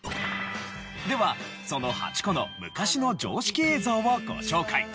ではその８個の昔の常識映像をご紹介。